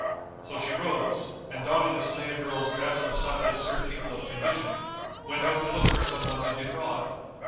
So she rose, and donning a slave girl's dress of such as serve people of condition, went out to look for some one to defraud.